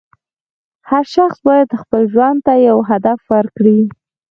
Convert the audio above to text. هر شخص باید خپل ژوند ته یو هدف ورکړي.